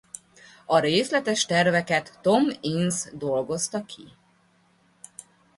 A részletes terveket Tom Innes dolgozta ki.